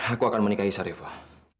aku akan menikahi sarifah